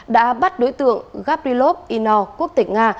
đã bắt đối tượng gaprilov inor quốc tịch nga